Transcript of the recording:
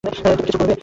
তুমি কিছু করবে?